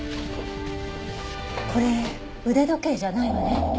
これ腕時計じゃないわね。